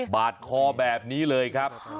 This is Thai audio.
บาดคอแบบนี้เลยครับ